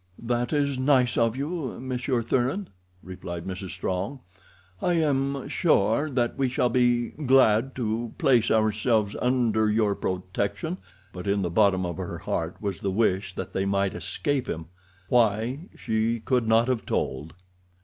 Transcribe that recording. "That is nice of you, Monsieur Thuran," replied Mrs. Strong. "I am sure that we shall be glad to place ourselves under your protection." But in the bottom of her heart was the wish that they might escape him. Why, she could not have told.